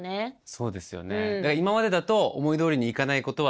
そうですね。